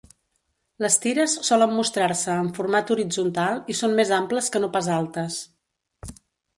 Les tires solen mostrar-se en format horitzontal i són més amples que no pas altes.